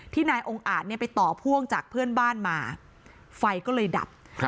นายองค์อาจเนี่ยไปต่อพ่วงจากเพื่อนบ้านมาไฟก็เลยดับ